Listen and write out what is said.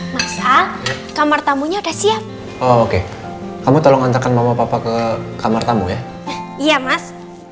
masa kamar tamunya udah siap oke kamu tolong antarkan mama papa ke kamar tamu ya iya mas